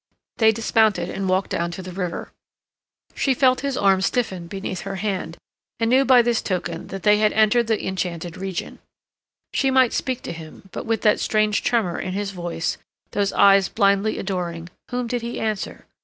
They dismounted and walked down to the river. She felt his arm stiffen beneath her hand, and knew by this token that they had entered the enchanted region. She might speak to him, but with that strange tremor in his voice, those eyes blindly adoring, whom did he answer?